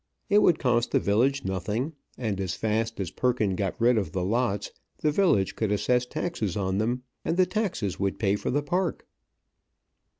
It would cost the village nothing; and, as fast as Perkins got rid of the lots, the village could assess taxes on them, and the taxes would pay for the park.